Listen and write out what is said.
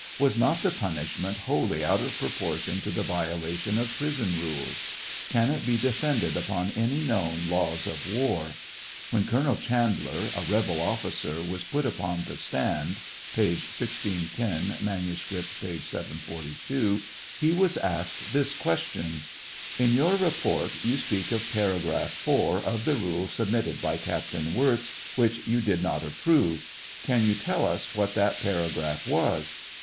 Was not the punishment wholly out of proportion to the violation of prison rules ? Can it be defended upon any known laws of war 1 When Colonel Chandler, a rebel officer, was put upon the stand, (p. 1610; manuscript, p. 742,) he was asTied this question : In your report you speak of paragraph 4 of the rules submitted by Captain Wirz which you did not approve. Can you tell us what that paragraph was